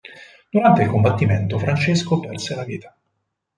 Durante il combattimento Francesco perse la vita.